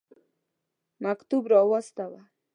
مکتوب را واستاوه.